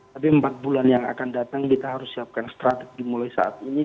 tapi empat bulan yang akan datang kita harus siapkan strategi mulai saat ini